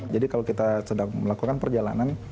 jadi kalau kita sedang melakukan perjalanan